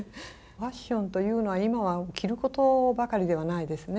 ファッションというのは今は着ることばかりではないですね。